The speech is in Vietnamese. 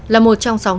là một trong sáu nước